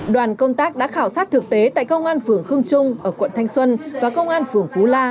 đoàn công tác đã khảo sát thực tế tại công an phường khương trung ở quận thanh xuân và công an phường phú la